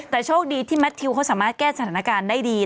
แต่โชคดีที่แมททิวเขาสามารถแก้สถานการณ์ได้ดี